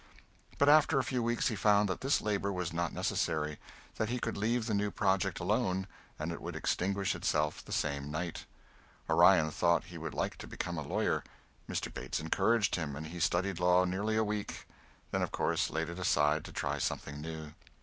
But after a few weeks he found that this labor was not necessary; that he could leave the new project alone and it would extinguish itself the same night. Orion thought he would like to become a lawyer. Mr. Bates encouraged him, and he studied law nearly a week, then of course laid it aside to try something new.